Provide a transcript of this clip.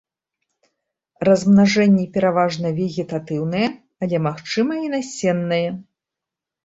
Размнажэнне пераважна вегетатыўнае, але магчыма і насеннае.